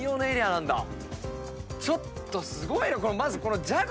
ちょっとすごいね！